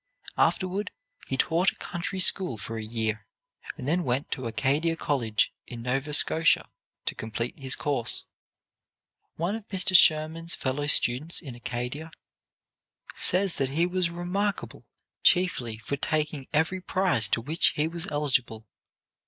Afterward, he taught a country school for a year, and then went to Acadia College in Nova Scotia to complete his course. One of Mr. Schurman's fellow students in Acadia says that he was remarkable chiefly for taking every prize to which he was eligible.